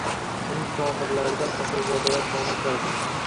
Uning tomirlarida asilzodalar qoni oqardi